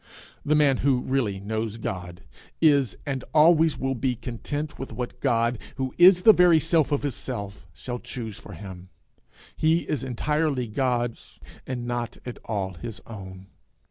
The man who really knows God, is, and always will be, content with what God, who is the very self of his self, shall choose for him; he is entirely God's, and not at all his own.